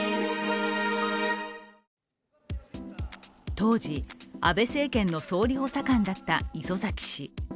当時、安倍政権の総理補佐官だった磯崎氏。